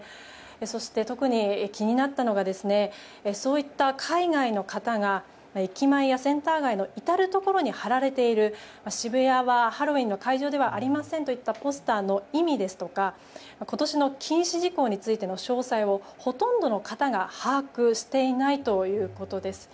そして特に気になったのがそういった海外の方が駅前やセンター街の至るところに貼られている渋谷はハロウィーンの会場ではありませんといったポスターの意味ですとか今年の禁止事項についての詳細をほとんどの方が把握していないということです。